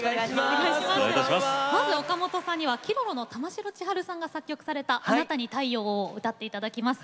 まずは、岡本知高さんにはＫｉｒｏｒｏの玉城千春さんが作曲された「あなたに太陽を」をご披露いただきます。